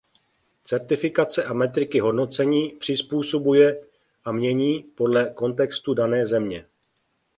Certifikace a metriky hodnocení přizpůsobuje a mění podle kontextu dané země.